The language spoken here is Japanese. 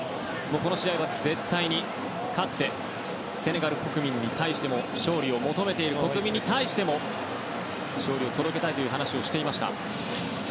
この試合は絶対に勝ってセネガル国民に対しても勝利を求めている国民に対しても勝利を届けたいという話をしていました。